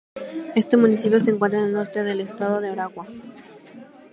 Este municipio se encuentra en el norte del estado Aragua.